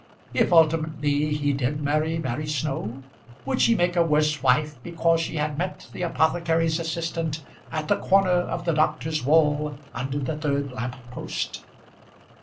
If ultimately he did marry Mary Snow, would she make a worse wife because she had met the apothecary's assistant at the corner of the doctor's wall, under the third lamp post?